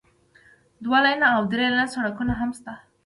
دوه لینه او درې لینه سړکونه هم شتون لري